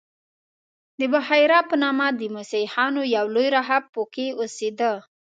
د بحیرا په نامه د مسیحیانو یو لوی راهب په کې اوسېده.